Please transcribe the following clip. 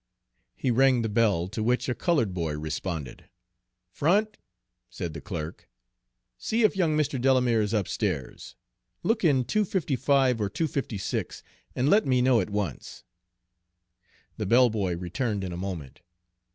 He rang the bell, to which a colored boy responded. "Front," said the clerk, "see if young Mr. Delamere's upstairs. Look in 255 or 256, and let me know at once." The bell boy returned in a moment.